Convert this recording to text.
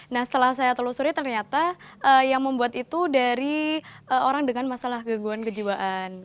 nah setelah saya telusuri ternyata yang membuat itu dari orang dengan masalah gangguan kejiwaan